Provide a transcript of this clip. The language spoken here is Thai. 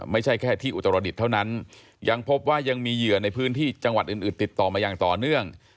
ไม่ใช่แค่ที่อุตรดิษฐ์เท่านั้นยังพบว่ายังมีเหยื่อในพื้นที่จังหวัดอื่นติดต่อมาอย่างต่อเนื่อง